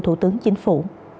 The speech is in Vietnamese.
thủ tướng chính phủ